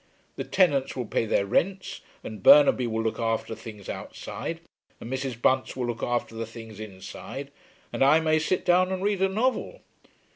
The tenants will pay their rents, and Burnaby will look after things outside, and Mrs. Bunce will look after the things inside, and I may sit down and read a novel.